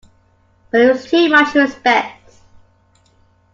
But it was too much to expect.